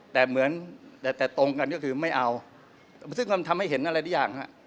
แต่เหมือนแต่แต่ตรงกันก็คือไม่เอาซึ่งก็ทำให้เห็นอะไรได้อย่างฮะ